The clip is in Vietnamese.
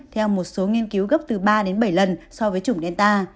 theo một số nghiên cứu gấp từ ba đến bảy lần so với chủng delta